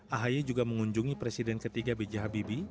ahi juga mengunjungi presiden ketiga bgh bibi